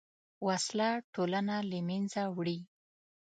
وسله ټولنه له منځه وړي